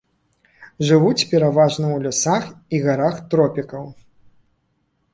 Жывуць пераважна ў лясах і гарах тропікаў.